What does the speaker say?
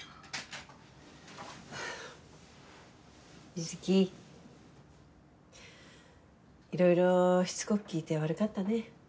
美月いろいろしつこく聞いて悪かったね。